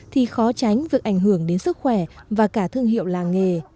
thì khó tránh việc ảnh hưởng đến sức khỏe và cả thương hiệu làng nghề